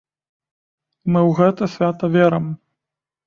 Мы ў гэта свята верым!